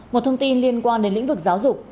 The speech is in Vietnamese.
một thông tin liên quan đến lĩnh vực giáo dục